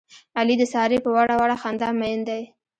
علي د سارې په وړه وړه خندا مین دی.